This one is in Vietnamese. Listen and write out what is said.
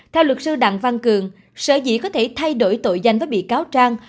theo luật sư đặng văn cường sở dĩ có thể thay đổi tội danh với bị cáo trang